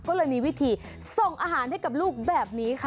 ก็เลยมีวิธีส่งอาหารให้กับลูกแบบนี้ค่ะ